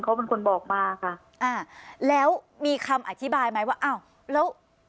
เขาเป็นคนบอกมาค่ะอ่าแล้วมีคำอธิบายไหมว่าอ้าวแล้ว